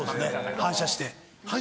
反射して。